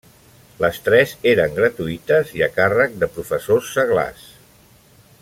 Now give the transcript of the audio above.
Les tres eren gratuïtes i a càrrec de professors seglars.